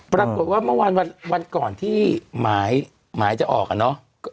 ปรากฏว่าเมื่อวันก่อนที่หมายจะออกอะเนาะ